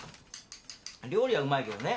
料理はうまいけどね。